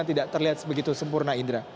yang tidak terlihat begitu sempurna indra